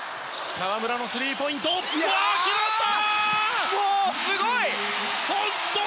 河村のスリーポイント決まった！